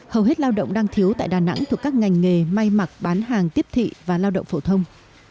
hầu hết lao động đang thiếu tại đà nẵng thuộc các ngành nghề may mặc bán hàng tiếp thị và lao động phổ thông